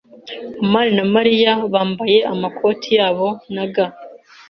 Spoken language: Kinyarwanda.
amani na Mariya bambaye amakoti yabo na gants.